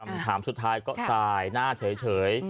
คำถามสุดท้ายก็สายหน้าเฉย